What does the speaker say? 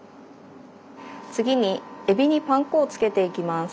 次にえびにパン粉をつけていきます。